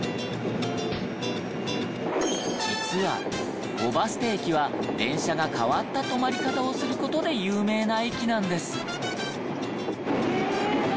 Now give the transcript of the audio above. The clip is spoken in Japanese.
実は姨捨駅は電車が変わった止まり方をする事で有名な駅なんです。